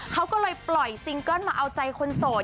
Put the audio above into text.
เขาก็เลยปล่อยซิงเกิ้ลมาเอาใจคนโสด